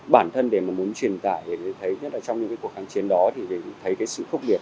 bản thân để mà muốn truyền tải thì thấy nhất là trong những cuộc kháng chiến đó thì thấy cái sự khốc nghiệt